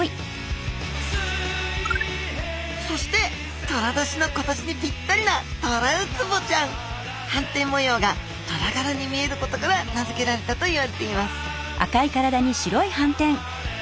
そしてとら年の今年にぴったりなはんてん模様がトラがらに見えることから名付けられたといわれています